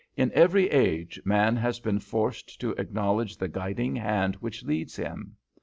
"In every age man has been forced to acknowledge the guiding hand which leads him.